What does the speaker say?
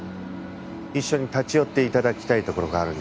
一緒に立ち寄って頂きたい所があるんです。